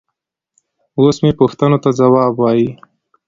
اوس مې پوښتنو ته ځواب وايي.